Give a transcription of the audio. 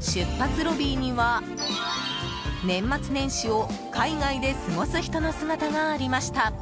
出発ロビーには、年末年始を海外で過ごす人の姿がありました。